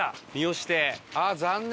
あっ残念。